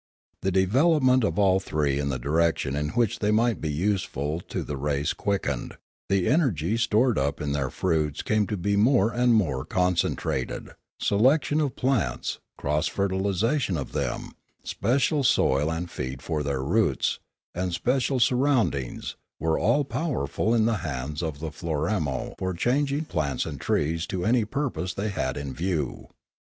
The develop ment of all three in the direction in which they might be useful to the race quickened; the energy stored up in their fruits came to be more and more concentrated; 326 Limanora selection of the plants, cross fertilisation of them, special soil and feed for their roots, and special sur roundings, were all powerful in the hands of the Flor amo for changing plants and trees to any purpose they had in view.